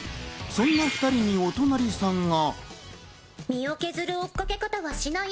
そんな２人におとなりさんが。